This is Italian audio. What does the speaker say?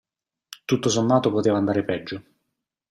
Tutto sommato poteva andare peggio.